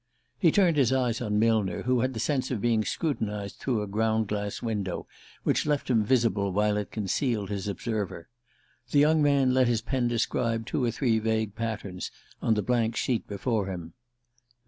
He turned his eyes on Millner, who had the sense of being scrutinized through a ground glass window which left him visible while it concealed his observer. The young man let his pen describe two or three vague patterns on the blank sheet before him.